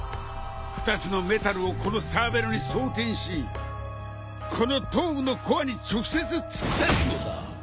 ２つのメタルをこのサーベルに装てんしこの頭部のコアに直接突き刺すのだ。